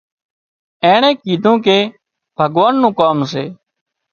اينڻي ڪيڌوون ڪي ڀڳوان نُون ڪام سي